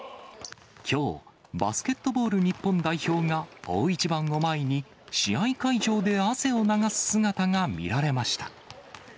きょう、バスケットボール日本代表が大一番を前に、試合会場で汗を流す姿が見られました。